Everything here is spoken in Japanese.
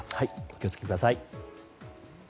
お気を付けください。